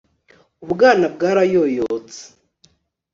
ubwana bwarayoyotse